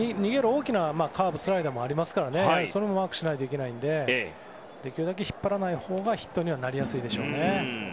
大きなカーブ、スライダーもありますからそれもマークしなくちゃいけないのでできるだけ引っ張らないほうがヒットにはなりやすいでしょう。